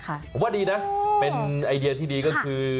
ผมว่าดีนะเป็นไอเดียที่ดีก็คือ